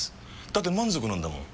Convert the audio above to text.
だって満足なんだもん。